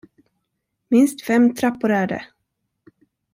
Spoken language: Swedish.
Minst fem trappor är det.